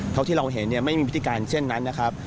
เท่าที่เราเห็นเนี่ยไม่มีพฤติการเช่นนั้นนะครับ